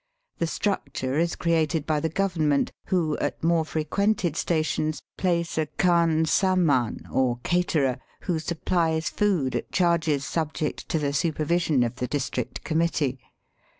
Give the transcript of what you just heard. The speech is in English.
The structure is created by the Government, who, at more frequented stations, place a khansamah, or caterer, who supplies food at charges subject to the supervision of the district committee.